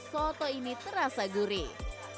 soto ini terasa gurih